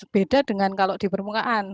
beda dengan kalau di permukaan